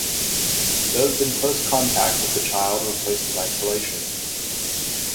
Those in close contact with the child were placed in isolation.